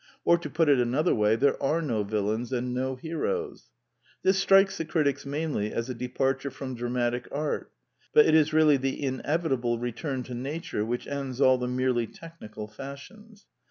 Or, to put it another way, there are no villains and no heroes. This strikes the critics mainly as a departure from dramatic art; but it is really the inevitable return to nature which ends all the merely tech nical fashions.